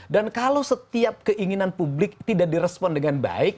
dan kalau setiap keinginan publik tidak direspon dengan baik